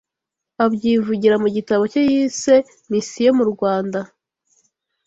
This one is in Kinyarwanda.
abyivugira mu gitabo cye yise Misiyo mu Rwanda